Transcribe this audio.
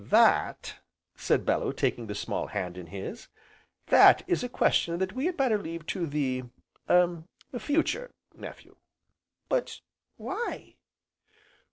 "That," said Bellew, taking the small hand in his, "that is a question that we had better leave to the er future, nephew." "But why!"